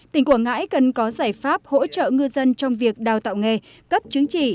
tỉnh quảng ngãi cần có giải pháp hỗ trợ ngư dân trong việc đào tạo nghề cấp chứng chỉ